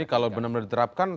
kalau benar benar diterapkan